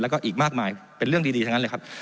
แล้วก็อีกมากมายเป็นเรื่องดีทั้งนั้นเลยครับ